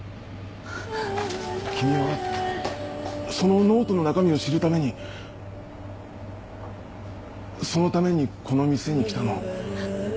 君はそのノートの中身を知るためにそのためにこの店に来たの？